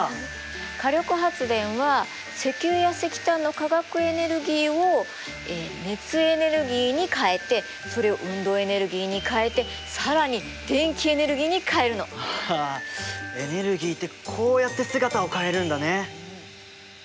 火力発電は石油や石炭の化学エネルギーを熱エネルギーに変えてそれを運動エネルギーに変えて更に電気エネルギーに変えるの！はあエネルギーってこうやって姿を変えるんだね。